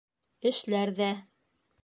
Эшләр ҙә.